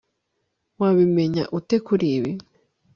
Wabimenya ute kuri ibi